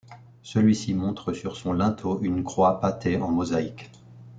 Celui-ci montre sur son linteau une croix pattée en mosaïque.